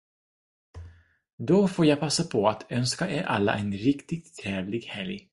Då får jag passa på att önska er alla en riktigt trevlig helg!